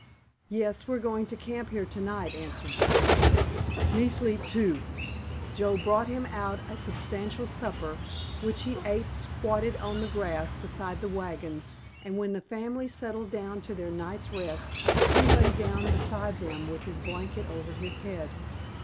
"Yes, we're going to camp here to night," answered Joe. "Me sleep, too." Joe brought him out a substantial supper, which he ate squatted on the grass beside the wagons, and when the family settled down to their night's rest he lay down beside them with his blanket over his head.